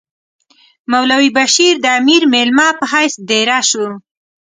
مولوی بشیر د امیر مېلمه په حیث دېره شو.